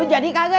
lo jadi kagak